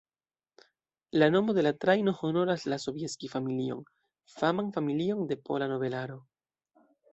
La nomo de la trajno honoras la Sobieski-familion, faman familion de pola nobelaro.